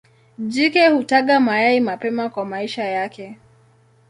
Jike hutaga mayai mapema kwa maisha yake.